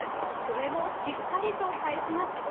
これもしっかりと返します。